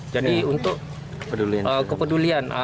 jadi untuk kepedulian